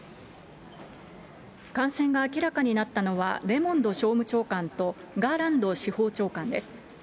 感染が明らかになったのは、レモンド商務長官と、ガーランド司法長官です。